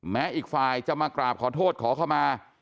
อีกฝ่ายจะมากราบขอโทษขอเข้ามา